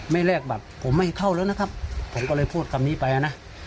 แลกบัตรผมไม่ให้เข้าแล้วนะครับผมก็เลยพูดคำนี้ไปนะ